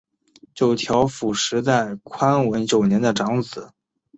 九条辅实在宽文九年的长子。